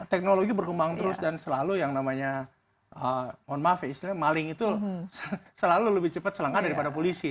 teknologi berkembang terus dan selalu yang namanya mohon maaf ya istilahnya maling itu selalu lebih cepat selangkah daripada polisi